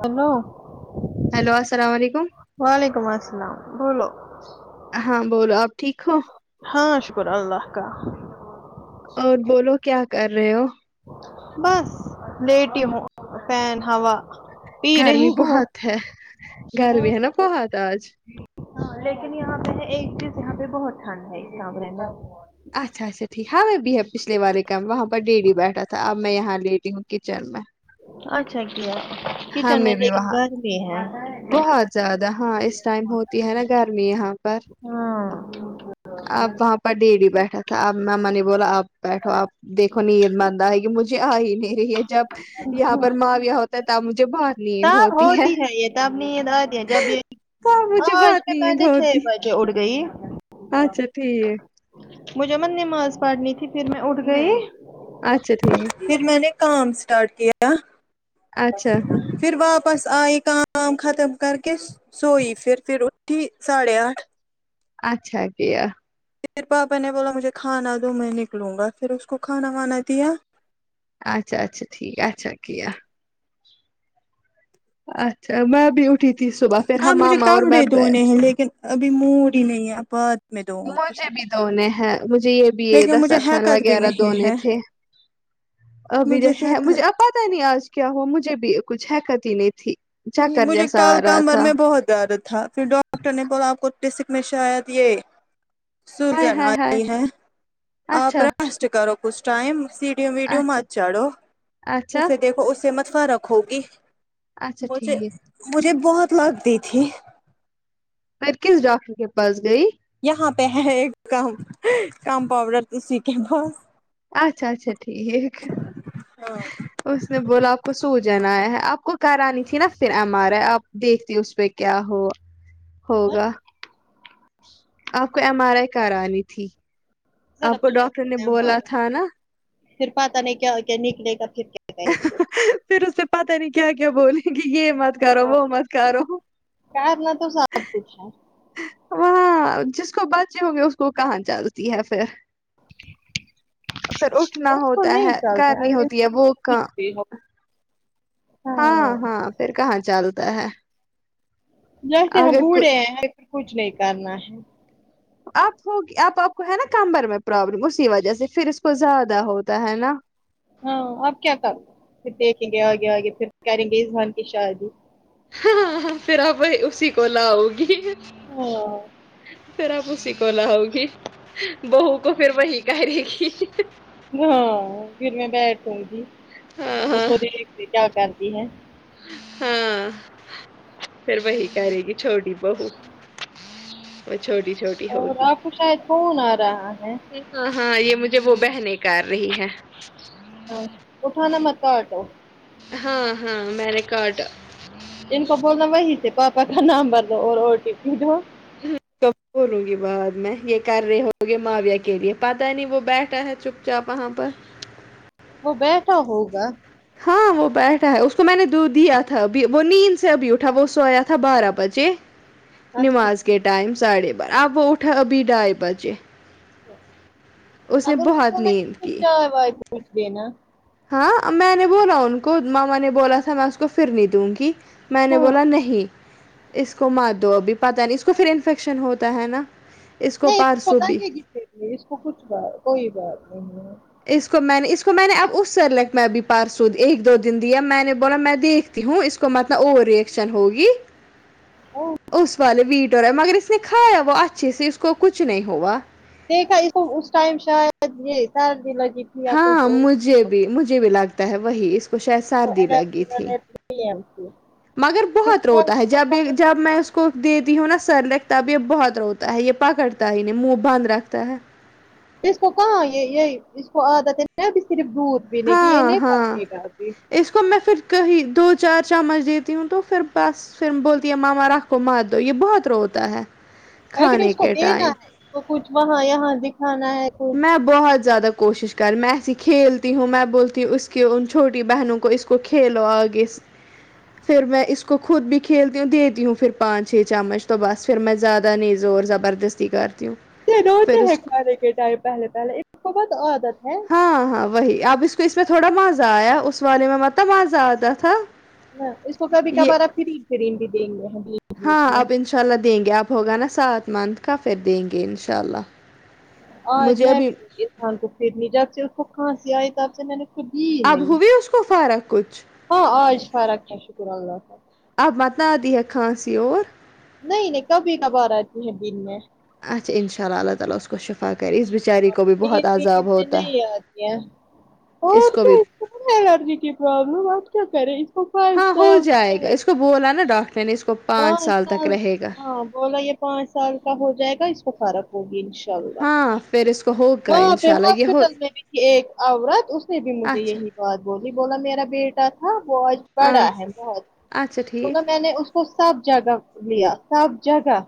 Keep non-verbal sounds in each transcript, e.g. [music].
hello hello السلام وعلیکم وعلیکم السلام بولو ہاں بولو آپ ٹھیک ہو ہاں شکر اللہ کا اور بولو کیا کر رہے ہو بس لیٹی ہوں فین ہوا پی گرمی رہی ہوں بہت ہے ہاں گرمی ہے ناں بہت آج ہاں لیکن یہاں پہ ایک چیز یہاں پہ بہت ٹھنڈ ہے یہاں پہ اندر اچھا اچھا ٹھیک ہاں میں بھی ہے پچھلے والے کام وہاں پر ڈے ڈی بیٹھا تھا اب میں یہاں لیٹی ہوں کچن میں اچھا کیا کچن ہمیں میں بھی لیکن وہاں گھر بھی ہے بہت زیادہ ہاں اس ٹائم ہوتی ہے نا گرمی یہاں پر ہاں آپ وہاں پر ڈےدی بیٹھاتھا آپ مما نے بولا آپ بیٹھو آپ دیکھو نا یے ماندہ کی مجھے آ ہی نہیں یہی ہے جب یہاں پر ماں ویا ہوتا ہے تب مجھے باہر تب ہوتی ہے یہ تب نیند اتی ہے جب یہ تب ہاں مجھے آج بہت بھی نیند پہلے چھ ہوتی بجے اڑ گئی اچھا ٹھیک مجھے منے نماز پڑنی تھی کی پھر میں اٹھ گئی نہیں اچھا ٹھیک پھر میں نے کام اسٹارٹ کیا اچھا پھر واپس آئی کام ختم کر کے سوئی پھر پھر اٹھی ساڑھے آٹھ اچھا کیا پھر پاپا نے بولا مجھے کھانا دو میں نکلوں گا پھر اس کو کھانا وانا دیا اچھا اچھا ٹھیک اچھا کیا اچھا میں بھی اٹھی تھی صبح پھر ہم اب مجھے ماما اور میں کپڑے دھونے ہیں لیکن ابھی موڈ ہی نہیں ہے اپات مجھے بھی دونے ہیں مجھے یہ بی اے لیکن مجھے دستر خان حیکت بھی وغیرہ نہیں دونے ہے تھے ابھی مجھے جیسے ہیں مجھے حیکت اب پتا نہیں آج کیا ہوا مجھے بھی کچھ حکت ہی نہیں تھی چکر مجھے جیسا کل آ رہا کمر تھا میں بہت درد تھا پھر ڈاکٹر نے بولا آپ کو ٹیسیک میں شاید یہ ہائے سوجن ہائے ہائے آئی ہے آپ اچھا رسٹ کرو کچھ ٹائم ویڈیو اچھا مات چاڑھو اچھا اسے دیکھو اس سے مت فرق ہوگی اچھا مجھے ٹھیک مجھے بہت لگتی تھی پر کس ڈاکٹر کے پاس گیی یہاں پے ہے ایک کم کم پاؤڈر اسی کے پاس اچھا اچھا ٹھیک اس نے بولا آپ کو سو جن ایا ہے آپ کو کرانی تھی نا پھر ایم ار ائی آپ دیکھتی اس پے کیا ہوا ہاں ہوگا آپ کو ایم آر آئی کرانی تھی ذرا آپ کو ڈاکٹر نے پھینکتے بولا ہمارے تھا نا پھر پتا نہیں کیا کیا نکلے گا پھر کیا کرے گے پھر اسے پتا نہیں کیا کیا بولیں گی یہ مت کرو ہاں وہ مت کرو کرنا تو سب کچھ ہے وہاں جس کو بچے ہوں گے اس کو کہاں چلتی ہے پھر پھر اٹھنا اس کو ہوتا نہیں ہے چلتے کرنی اگر ہوتی ہے انسان وہ کو کا کچھ بھی ہو ہاں ہاں پھر کہاں چلتا ہے لی کہہ ہم اگر کو بوڑھے ہیں پھر کچھ نہیں کرنا ہے آپ آپ آپ کو ہے نا کمر میں پرابلم اسی وجہ سے پھر اس کو زیادہ ہوتا ہے نا ہاں آپ کیا کر پھر دیکھے گے آگے آگے پھر کرے گے عثمان کی شادی پھر اب اسی کو لآؤ گی ہاں پھر اب اسی کو لاؤ گی بہو کو پھر وہی کرے گی ہاں پھر میں بیٹھوں گی ہاں اس ہاں کو دیکھ کے کیا کرتی ہے ہاں پھر وہی کرے گی چھوٹی بہو وہ چھوٹی چھوٹی اور ہوگی آپ کو شاید فون آ رہا ہے ہاں ہاں یہ مجھے وہ بہنے کار رہی ہے ہاں اٹھانا مت کاٹو ہاں ہاں میں نے کاٹا ان کو بولنا وہی سے پاپا کا نامبر دو اور او ٹی پی دو ؀میں تو بولنگی بعد میں یہ کر رہے ہوں گے ماویا کے لیے پتا نہیں وہ بیٹھا ہے چپ چاپ وہاں پر وہ بیٹھا ہوگا ہاں وہ بیٹھا ہے اس کو میں نے دودھ دیا تھا ابھی وہ نیند سے ابھی اٹھا وہ سویا تھا بارہ بجے اچھا نماز کے ٹھیک، ٹائم ساڑھے بارہ اہ وہ اٹھا ابھی ڈھائی بجے اس نے اب ان کو بہت بولنا نیند انکو کی چائے وائے پوچ دینا ہاں میں نے بولا ان کو مما نے بولا تھا میں اس کو پھر نہیں دوں گی میں نے ہاں بولا نہیں اس کو مات دو ابھی پتا نہیں اس کو پھر انفیکشن ہوتا ہے نا اس کو نہیں پارسو بھی لگے گی اس کو کچھ بات کوئی بات نہیں ہے اس کو میں نے اس کو میں نے اب اس سیریلک میں ابھی پارسو ایک دو دن دیا میں نے بولا میں دیکھ ہوں اس کو مطلب اور ریکشن ہوگی ہاں اس والے وٹر ہے مگر اس نے کھایا وہ اچھے سے اس کو کچھ نہیں ہوا دیکھا اس ٹائم شاید یہ سردی لگی تھی یا کچھ ہاں اور مجھے بھی مجھے بھی لگتا ہے وہی اس اس کو شاید تو سردی الرجی لگی تھی والے تھی مگر پھر بہت روتا ہے کھانسی کو جب بھی فرق جب نہیں میں اس کو دتی ہوں نا سیریلک تب یہ بہت روتا ہے یہ پکڑتا ہی نہیں منہ بند رکھتا ہے اس کو کہاں یہ یہ اس کو عادت ہے ن ابھی صرف دودھ پینے کی یہ ہاں نہیں پال ہاں گتی ابھی اس کو میں پھر کہیں دو چار چمچ دیتی ہوں تو پھر بس پھر بولتی ہے مما رکھ کو مت دو یہ بہت روتا ہے کھانے کے ٹائم وہ کچھ وہاں یہاں دکھانا ہے کچھ میں بہت زیادہ کوشش کر میں ایسی کھیلتی ہوں میں بولتی ہوں اس کے ان چھوٹی بہنوں کو اس کو کھیلو اگے [inaudible] پھر میں اس کو خود بھی کھیلتی ہوں دیتی ہوں پھر پانچ چھ چمچ تو بس پھر میں زیادہ نہیں زور زبردس کرتی ہو روتے ہیں کھانے کے ٹائم پہلے پہلے ایک بہت عادت ہے ہاں ہاں وہی اب اس کو اس میں تھوڑا مزہ آیا اس والے میں متب مزہ آتا تھا ہ اس کو کبھی یہ کبار اب فریم فریم بھی دیں گے ہم جی ہاں اب انشاء اللہ دیں گے اب ہوگا نا سات منتھ کا پھر دیں گے انشاء اللہ آج مجھے میں ابھی بھی دونگی عرفان کو پرنی جب سے اس کو کھانسی آئی تب سے میں نے جی اب نہیں ہوئی اس کو فرق کچھ ہاں آج فرق ہے شکر اللہ کا اب بتا دیا کھانسی اور نہیں نہیں کبھی کبار آتی ہیں دن میں اچھا انشاء اللہ اللہ تعالی کو شفا کرے اس بیچاری ہاں کو بھی بہت نیند ند عذاب میں ہوتا نہیں آتی ہے اور اس کو بھی کیا الرجی کی پرابلم آپ کیا کرے ہاں ہو جائے گا اس کو بولا نا ڈاکٹر نے اس کو پانچ [unintelligible] سال تو تک رہے گا ہاں بوول یہ پانچ سال کا ہو جائے گا اس کو فرق ہوگی انشاء اللہ ہا پھر اس کو ہوگ وہاں پہ ہاسپٹل میں بھی کہ ایک عورت اس نے بھی مجھے اچھا یہی بات بولی بولا میرا بیٹا تھا وہ آج ہاں پڑا ہے بہت اچھا ٹھیک ہو میں نے اس کو صاف جگہ لیا صاف جگہ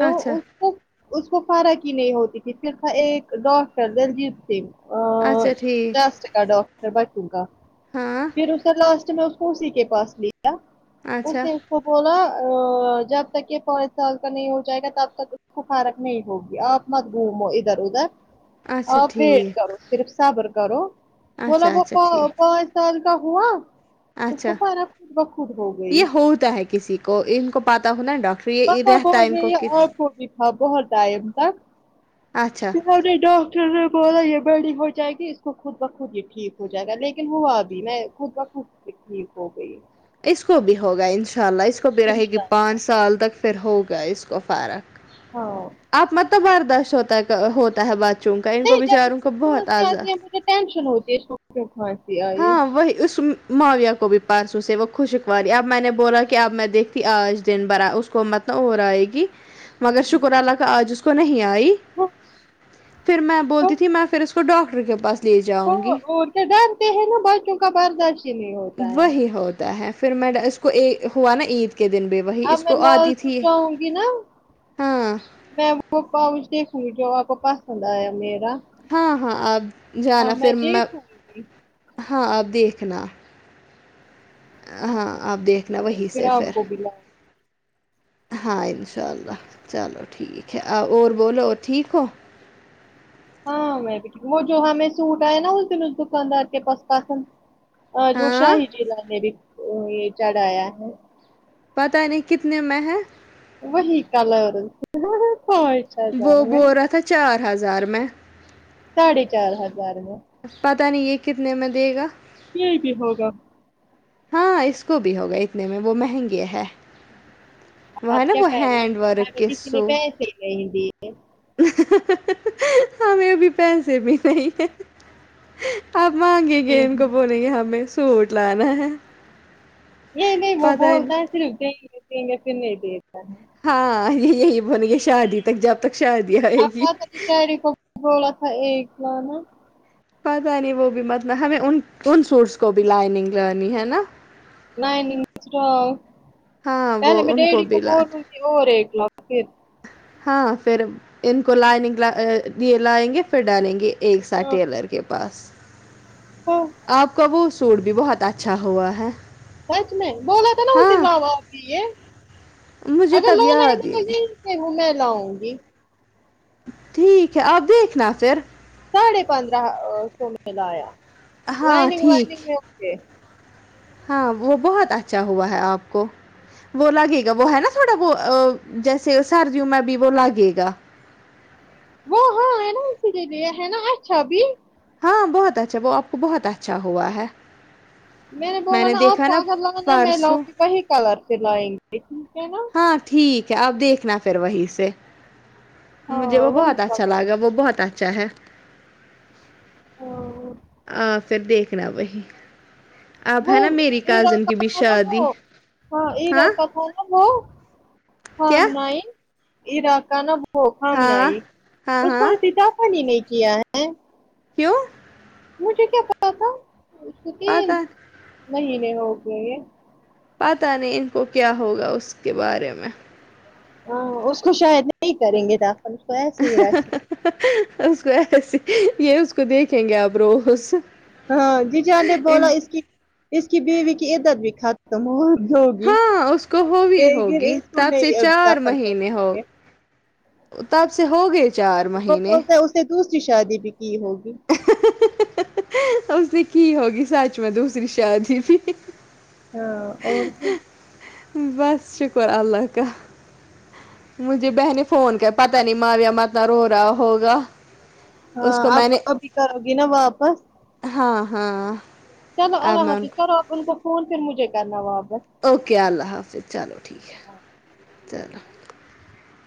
وہ اچھا وہ اس کو فرق کی نہیں ہوتی تھی پھر تھا ایک ڈاکٹر دلجیت سنگھ اچھا ٹھیک ہاں [unintelligible] اسی کے پاس لیا اس اچھا نے کو بولا جب تک یہ پانچ سال کا نہیں ہو جائے گا تب تک اس کو فارغ نہیں ہوگی اپ مت گوم ادھر ادھر اچھا ا بیٹ ٹھیک کرو صرف صبر کرو اچھا مطلب وہ اچھا ٹھیک پانچ سال کا ہوا اس کو اچھا پاراک خود بخود ہو یہ گئی ہوتا ہے کسی کو ان کو پاتا ہونا ڈاکٹر یہ [unintelligible] تو نے رہتا ہے ان کو کہ اچھا بولایہ بڑی ہو جائے گی اس کو خود بخود یہ ٹھیک ہو جائے گا یقین ہوا بھی میں خود بخود یہ ٹھیک ہو گئی اس کو بھی ہوگا ان شاء اللہ اس کو بھی رہے گی انشاءاللہ پانچ سال تک پھر ہوگا اس کو فارق ہاں آپ متلب بارداشت ہوتا ہے ہوتا ہے بات چونکا ان کو بچاروں کا بہت آضا ٹنشن ہوتی [unintelligible] ہاں وہ اس معاویا کو بھی پرارسو سے وہ خوشکواری اب میں نے بولا کہ اب میں دیکھتی آج دن بھرا اس کو مطب نہ اور آئے گی مگر شکر اللہ کا آج اس کو نہیں آئی پھر میں بولتی تھی میں پھر اس تو ڈاکٹر کے پاس لے جاؤں گی ڈانتے ہیں نا بچوں کا پارداشت وہی ہوتا ہے پھر میں اس کو اک ہوا نا عید کے دن بھی وہی اب اس میں کو لال آتی چوک تھی جاؤں گی نا ہاں میں وہ پاؤچ دیکھوں گی جو آپ کو پسند آیا میرا ہاں ہاں آپ جانا اور پھر میں دیکھوں گی ہاں آپ دیکھنا ہاں آپ دیکھنا وہیں سے پھر آپ کو بھی لاؤں ہاں انشاء اللہ چلو ٹھیک ہے اور بولو ٹھیک ہو ہاں میں بھی وہ جو ہمیں سوٹ آئے نا اس دن اس دکاندار کے پاس پسند جو ہاں شاہی ضلع نے بھی یہ چڑھایا ہے پتہ نہیں کتنے میں ہے وہی کلر ہاں ہاں وہ بول را تھا چار ہزار میں ساڑھے چار ہزار میں پتاہ نہیں یہ کتنے میں دے گا یہ بھی ہوگا ہاں اس کو بھی ہوگا اتنے میں وہ مہنگے ہے وہ ہے آپ نا کیا وہ کہہ رہے ہیں ہینڈ ورک ہمیں کے کسی نے سو پسے ہی نہیں دیے ہمیں بھی پیسے بھی نہیں ہے آپ مانگے گئے ان کو بوولیں گے ہمیں سوٹ لانا ہے نہیں نہیں وہ پتہ ہی بولتا ہے نہیں صرف دیں گے دیں گے پھر نہیں دیتا ہے ہاں یہ یہی بولی گے شادی تک جب تک شادی آئے گی ہولا تھا ایک لا نا پتاہ نہیں وہ بھی مطلب ہمیں ان ان سوٹس کو بھی لائننگ لگانی ہے نا لیننگ ہاں پہلے وہ میں ان ڈیڈی کو بھی لان بولوں تھی اور ایک لاکھ پھر ہاں پھر ان کو لیننگ لیےگے پھر ڈالیں گے ایک سا ٹیلر کے پاس ہاں آپ کا وہ سوٹ بھی بہت اچھا ہوا ہے سچ میں بولا تھا نا اس دن ہاں لاو اب بھی یہ مجھے اگر تب لو یاد ہی نہیں نہی وہ میں لاؤں گی ٹھیک ہے آپ دیکھنا پھر ساڑھے پندرہ سو میں لایا ہاں لائنگ ٹھیک وائنگ میں ہوے ہاں وہ بہت اچھا ہوا ہے آپ کو وہ لگے گا وہ ہے نا تھوڑا وہ جیسے سردیوں میں بھی وہ لگے گا وہ ہاں ہے نا اسی لیے ہے نہ اچھا بھی ہاں بہت اچھا وہ آپ کو بہت اچھا ہوا ہے میں نے بولا نا آپ کو اگر لانا ہے میں لاؤں گی وہی کلر سے لائیں گی ٹھیک ہے نا ہاں ٹھیک ہے اب دیکھنا پھر وہیں سے مجھے ہاں وہ وہی بہت اچھا کلر لگا وہ بہت اچھا ہے ہاں آ پھر دیکھنا وہی اب وہ ہے نا میری ایرا کازن کی کا بھی تھا نا شادی ہاں او ہو کیا ہاں ہاں ہاں [unintelligible] پانی لیکے آے کیوں مجھے کیا پتا تھا اس کے تین پتہ مہینے ہو گئے پتہ نہیں ان کو کیا ہوگا اس کے بارے میں ہاں اس کو شاید نہیں کریں گے دا اس کو ایسے یہ اس کو دیکھیں گے آپ روز ہاں جی جان نے بولا ان اس کی اس کی بیوی کی عدت بھی خت ہاں اس کو ہوی بھی لیکن ہوگی اس کو تب سے نہیں ابھی چار داخل کریں مہینے ہو گے تپ سے ہوگے کو بولتا ہے اس نے دوسری شادی بھی کی ہوگی اس نے کی ہوگی سچ میں دوسری شادی بھی ہاں اور کچھ بس شکر اللہ کا مجھے بہن نے فون کیا پتا نہیں ماریہ عماد اتنا رو رہا ہوگا ہاں اس کو آپ میں نے آب کرو گی نہ واپس ہاں ہاں چلو اب اللہ میں ان حافظ کو کرو آپ ان کو فون پر مجھے کرنا واپس اوکے اللہ حافظ چلو ٹھیک ہے چلو